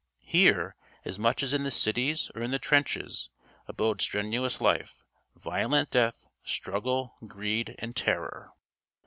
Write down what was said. Here, as much as in the cities or in the trenches, abode strenuous life, violent death, struggle, greed and terror.